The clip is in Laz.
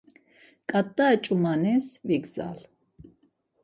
Ǩat̆a ç̌umanis vigzal.